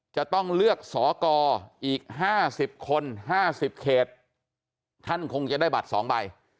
จะต้องเลือกสอกรอีก๕๐คน๕๐เขตท่านคงจะได้บัตร๒ใบ